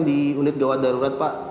di unit gawat darurat pak